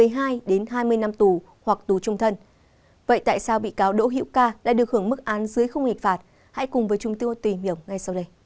hãy cùng với chúng tôi tìm hiểu ngay sau đây